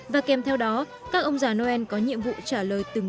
và kèm theo đó các ông già noel có nhiệm vụ trả lời từng